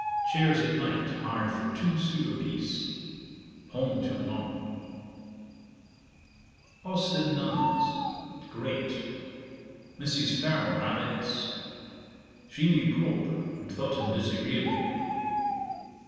Chairs at night hired for two sous apiece. Pont tournant. 'Austin Nuns. Grate. Mrs. Fermor, Abbess. She knew Pope, and thought him disagreeable.